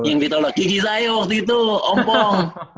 yang ditolak gigi saya waktu itu ompong